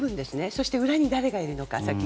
そして裏に誰がいるのか。